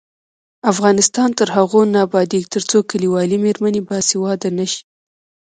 افغانستان تر هغو نه ابادیږي، ترڅو کلیوالې میرمنې باسواده نشي.